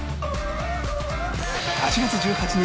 ８月１８日